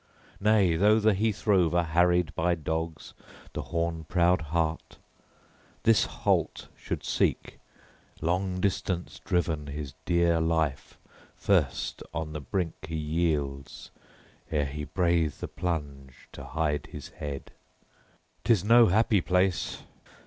Nay, though the heath rover, harried by dogs, the horn proud hart, this holt should seek, long distance driven, his dear life first on the brink he yields ere he brave the plunge to hide his head: 'tis no happy place!